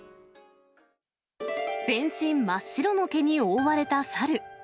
全身真っ白の毛に覆われたサル。